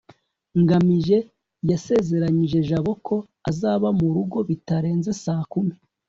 ngamije yasezeranyije jabo ko azaba mu rugo bitarenze saa kumi